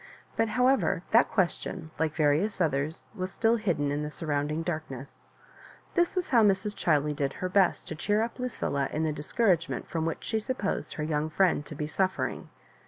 But, how ever, that question, li'ice various others, was still hidden m the surrounding darkness. This was how'Mra Chiley did her best to cheer up Ludlla in the discouragement firom which she supposed her young fnend to be suf fering.